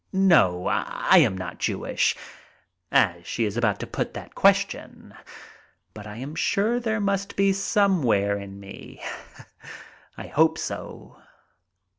No, I am not Jewish," as she is about to put that question, "but I am sure there must be some somewhere in me. I hope so."